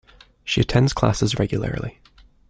She attends classes regularly